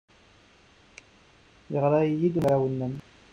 Yeɣra-iyi-d umezraw-nnem.